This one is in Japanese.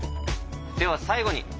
では最後に。